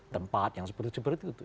tempat yang seperti seperti itu